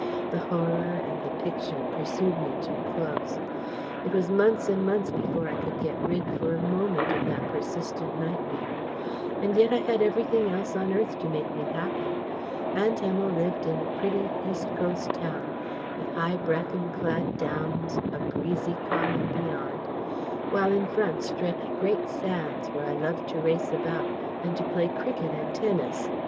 The Horror and the Picture pursued me too close. It was months and months before I could get rid for a moment of that persistent nightmare. And yet I had everything else on earth to make me happy. Aunt Emma lived in a pretty east coast town, with high bracken clad downs, and breezy common beyond; while in front stretched great sands, where I loved to race about and to play cricket and tennis.